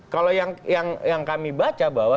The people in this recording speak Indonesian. kalau yang kami baca bahwa